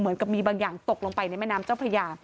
เหมือนกับมีบางอย่างตกลงไปในแม่น้ำเจ้าพระยา